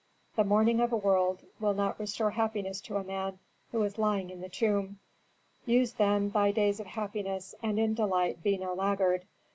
"The mourning of a world will not restore happiness to a man who is lying in the tomb; use, then, thy days of happiness and in delight be no laggard.